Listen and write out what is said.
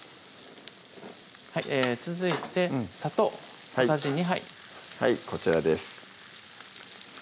はい続いて砂糖小さじ２杯はいこちらです